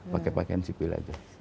pakai pakaian sipil saja